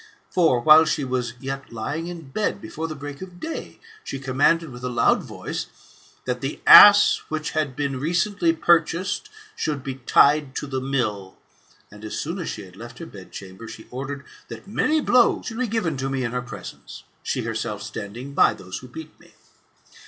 For while she was yet lying in bed before the break of day, she commanded with a loud voice, that the ass which had been recently purchased, should be tied to the mill; and as soon as she had left her bedchamber, she ordered that many blows should be given to me in her presence, she herself standing by those who beat me.